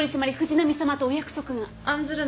案ずるな。